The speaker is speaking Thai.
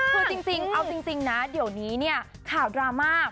คือจริงเอาจริงนะเดี๋ยวนี้เนี่ยข่าวดราม่า